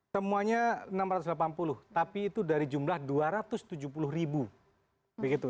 temuannya enam ratus delapan puluh tapi itu dari jumlah dua ratus tujuh puluh ribu begitu